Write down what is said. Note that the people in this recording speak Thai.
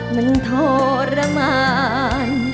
มันทรมาน